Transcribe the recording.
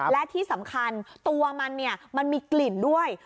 และที่สำคัญตัวมันมันมีกลิ่นด้วย